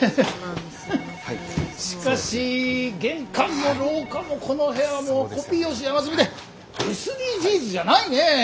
しかし玄関も廊下もこの部屋はもうコピー用紙山積みでＳＤＧｓじゃないねえ。